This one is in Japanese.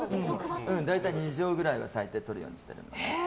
大体２畳ぐらいは最低とるようにしてるの。